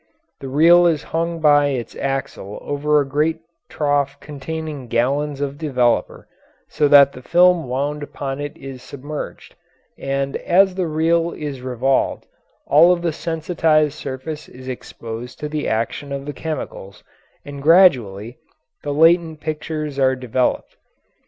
The reel is hung by its axle over a great trough containing gallons of developer, so that the film wound upon it is submerged; and as the reel is revolved all of the sensitised surface is exposed to the action of the chemicals and gradually the latent pictures are developed.